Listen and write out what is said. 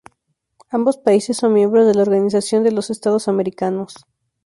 Ambos países son miembros de la Organización de los Estados Americanos.